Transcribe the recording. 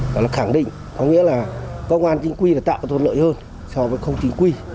và là khẳng định có nghĩa là công an chính quy là tạo thuận lợi hơn so với không chính quy